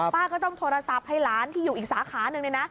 ก็ต้องโทรศัพท์ให้หลานที่อยู่อีกสาขาหนึ่ง